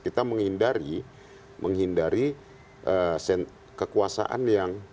kita menghindari menghindari kekuasaan yang